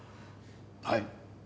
はい。